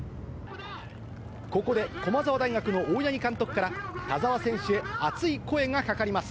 ここで駒澤大学の大八木監督から、田澤選手へ熱い声がかかります。